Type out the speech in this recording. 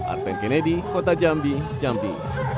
arven kennedy kota jambi jambi